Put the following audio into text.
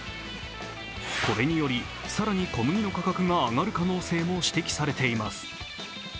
これにより、更に小麦の価格が上がる可能性も指摘されています。